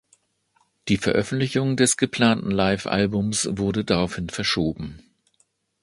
Die Veröffentlichung des geplanten Livealbums wurde daraufhin verschoben.